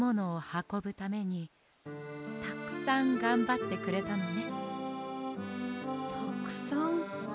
たくさんがんばってくれたんですね。